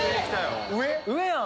上やん！